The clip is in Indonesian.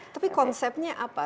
tapi konsepnya apa